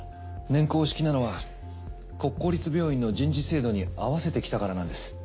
年功式なのは国公立病院の人事制度に合わせてきたからなんです。